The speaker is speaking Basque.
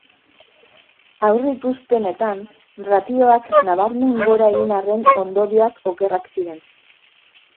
Aurreikuspenetan ratioak nabarmen gora egin arren ondorioak okerrak ziren.